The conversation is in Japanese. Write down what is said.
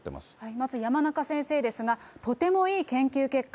まず山中先生ですが、とてもいい研究結果。